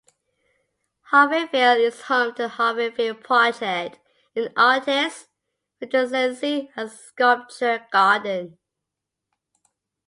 Harveyville is home to the Harveyville Project, an Artist Residency and Sculpture Garden.